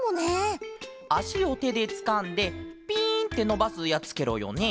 あしをてでつかんでピンってのばすやつケロよね？